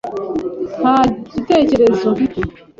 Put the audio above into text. Nta gitekerezo mfite.